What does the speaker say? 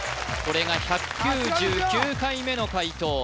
これが１９９回目の解答